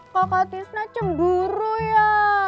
kakak tisna cemburu ya